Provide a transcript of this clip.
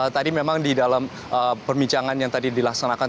tadi memang di dalam perbincangan yang tadi dilaksanakan